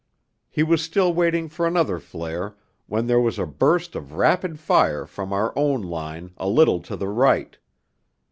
He was still waiting for another flare when there was a burst of rapid fire from our own line a little to the right.